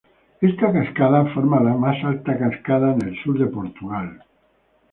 Esta cascada forma la más alta cascada en el sur de Portugal.